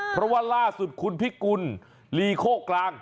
เพราะว่าล่าสุดคุณพิกุลลีโคกลาง